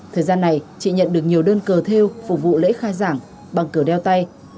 thời gian này chị nhận được nhiều đơn cờ theo phục vụ lễ khai giảng bằng cờ đeo tay